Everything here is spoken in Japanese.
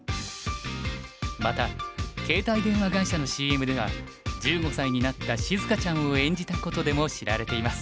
また携帯電話会社のＣＭでは１５才になったしずかちゃんを演じたことでも知られています。